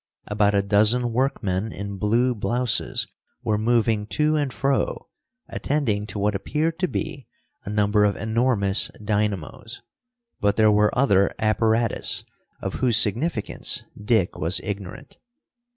About a dozen workmen in blue blouses were moving to and fro, attending to what appeared to be a number of enormous dynamos, but there were other apparatus of whose significance Dick was ignorant.